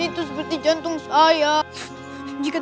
tidak ada yang bisa dikawal